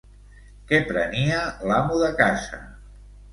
Què prenia l'amo de casa?